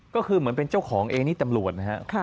ก็คือเหมือนเป็นเจ้าของเองนี่ตำรวจนะครับ